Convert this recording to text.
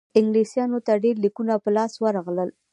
انګلیسیانو ته ډېر لیکونه په لاس ورغلل.